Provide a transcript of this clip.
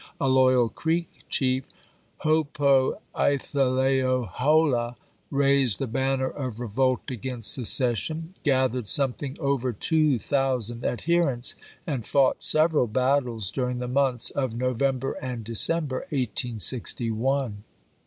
A loyal Creek chief, Hopoeithleyohola, raised the banner of revolt against secession, gath ered something over two thousand adherents, and fought several battles during the months of No HALLECK 83 vember and December, 1861.